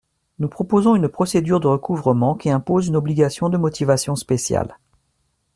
Nous proposons une procédure de recouvrement qui impose une obligation de motivation spéciale.